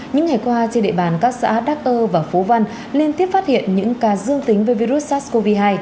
những ngày qua trên địa bàn các xã đắc ơ và phú văn liên tiếp phát hiện những ca dương tính với virus sars cov hai